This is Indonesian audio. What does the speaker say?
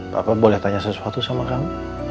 papa boleh tanya sesuatu sama kamu